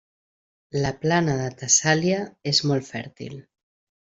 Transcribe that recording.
La plana de Tessàlia és molt fèrtil.